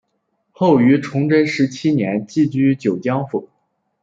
后于崇祯十七年寄居九江府。